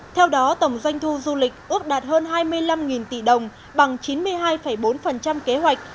theo đó tổng doanh thu du lịch ước đạt hơn hai mươi năm tỷ đồng bằng chín mươi hai bốn kế hoạch